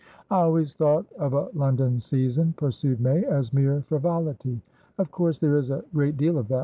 "I always thought of a London season," pursued May, "as mere frivolity. Of course there is a great deal of that.